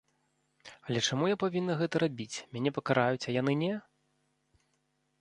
Але чаму я павінна гэта рабіць, мяне пакараюць, а яны не?